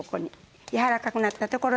柔らかくなったところで少し。